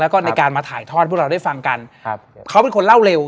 แล้วก็ในการมาถ่ายทอดพวกเราได้ฟังกันครับเขาเป็นคนเล่าเร็ว